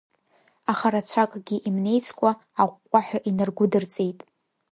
Аха рацәакгьы имнеицкәа, аҟәҟәаҳәа инаргәыдырҵеит.